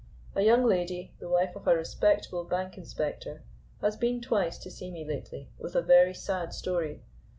A young lady, the wife of a respectable Bank Inspector, has been twice to see me lately with a very sad story.